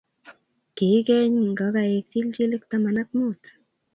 Ki ikeny ngokaik chilchilik taman ak mut